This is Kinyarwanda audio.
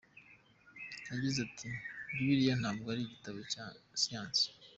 Yagize ati “ Bibiliya ntabwo ari igitabo cya siyansi.